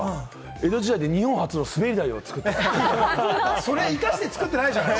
江戸時代に日本初の滑り台を作った。